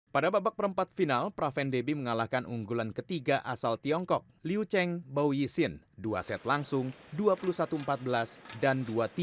pada babak perempat final pravin debbie mengalahkan unggulan ketiga asal tiongkok liu cheng bao yixin dua set langsung dua puluh satu empat belas dan dua tiga dua puluh satu